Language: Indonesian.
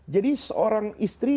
jadi seorang istrinya